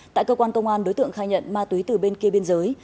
tại cơ quan công an đối tượng khai nhận ma túy từ bên kia biên giới